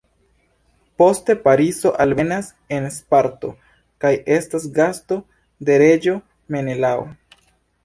Poste Pariso alvenas en Sparto kaj estas gasto de reĝo Menelao.